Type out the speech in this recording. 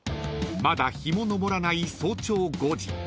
［まだ日も昇らない早朝５時］